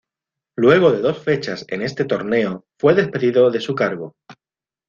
Luego de dos fechas en este torneo fue despedido de su cargo.